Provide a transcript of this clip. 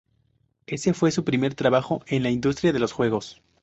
Ese fue su primer trabajo en la industria de los juegos.